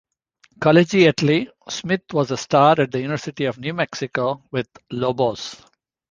Collegiately, Smith was a star at the University of New Mexico, with the Lobos.